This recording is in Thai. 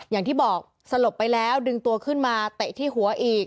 อย่างที่บอกสลบไปแล้วดึงตัวขึ้นมาเตะที่หัวอีก